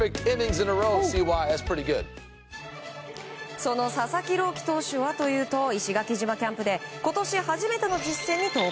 その佐々木朗希投手はというと石垣島キャンプで今年初めての実戦に登板。